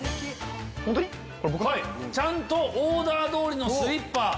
ちゃんとオーダー通りのスリッパ。